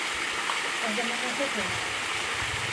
Ә заманаһы һуң?!